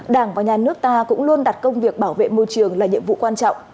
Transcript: đảng và nhà nước ta cũng luôn đặt công việc bảo vệ môi trường là nhiệm vụ quan trọng